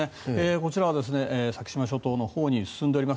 こちら、先島諸島のほうに進んでいます。